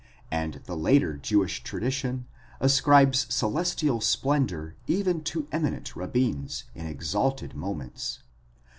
and the later Jewish tradition ascribes celestial splendour even to eminent rabbins in exalted moments.